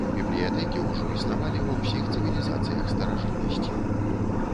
Бібліятэкі ўжо існавалі ва ўсіх цывілізацыях старажытнасці.